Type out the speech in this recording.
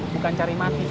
bukan cari mati